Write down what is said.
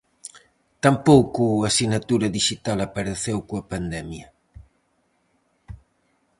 Tampouco a sinatura dixital apareceu coa pandemia.